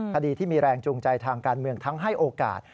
คดีที่มีแรงจูงใจทางการเมืองทั้งให้โอกาส